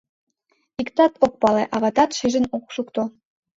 Иктат ок пале, аватат шижын ок шукто.